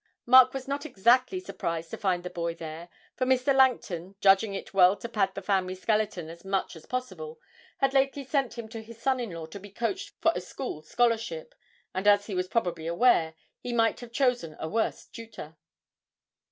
Mark was not exactly surprised to find the boy there, for Mr. Langton, judging it well to pad the family skeleton as much as possible, had lately sent him to his son in law to be coached for a school scholarship; and, as he was probably aware, he might have chosen a worse tutor.